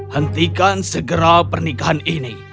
hentikan segera pernikahan ini